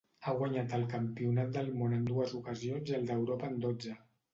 Ha guanyat el campionat del món en dues ocasions i el d'Europa en dotze.